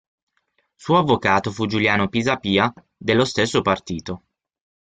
Suo avvocato fu Giuliano Pisapia, dello stesso partito.